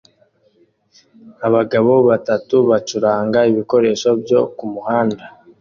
Abagabo batatu bacuranga ibikoresho byo kumuhanda